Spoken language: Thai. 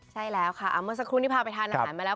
ใช่แล้วค่ะเมื่อสักครู่นี้พาไปทานอาหารมาแล้ว